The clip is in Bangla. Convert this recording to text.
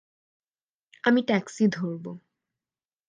আমি ট্যাক্সি ধরবো।